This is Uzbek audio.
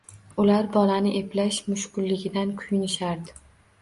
Ular bolani eplash mushkulligidan kuyinishardi.